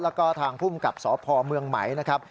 แล้วก็ทางภูมิกับสพเมืองไหมนะครับ